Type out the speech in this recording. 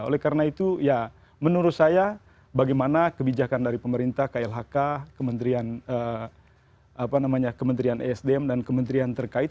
oleh karena itu ya menurut saya bagaimana kebijakan dari pemerintah klhk kementerian esdm dan kementerian terkait